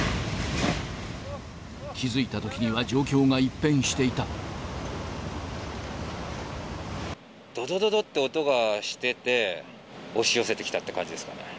気付いたときには状況が一変どどどどって音がしてて、押し寄せてきたって感じですかね。